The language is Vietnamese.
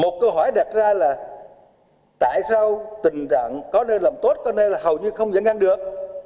thủ tướng đặt câu hỏi tại sao trong tình trạng có nơi làm tốt có nơi hầu như không giải ngân được